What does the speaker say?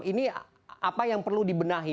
ini apa yang perlu dibenahi